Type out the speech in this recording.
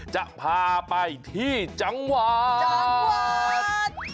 จะพาไปที่จังหวัด